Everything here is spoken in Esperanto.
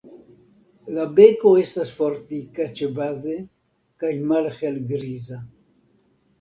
La beko estas fortika ĉebaze kaj malhelgriza.